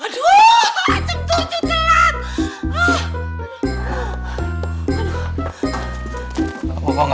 aduh aku macam tujuh telat